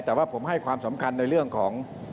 แต่ว่าผมให้ความสำคัญในเรื่องของ